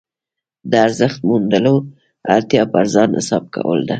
د ارزښت موندلو اړتیا پر ځان حساب کول ده.